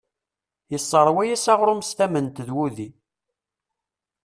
Yesseṛwa-as aɣrum s tament d wudi.